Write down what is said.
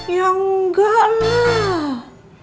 ya enggak lah